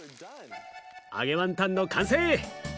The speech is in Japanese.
揚げワンタンの完成！